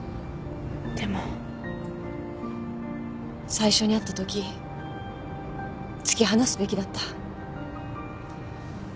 最初に会ったとき突き放すべきだった。